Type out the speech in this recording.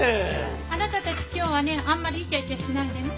あなたたち今日はねあんまりイチャイチャしないでね。